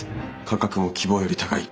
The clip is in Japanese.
価格も希望より高い。